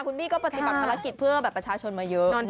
คุณพี่ก็ปฏิบัติภารกิจเพื่อประชาชนมาเยอะ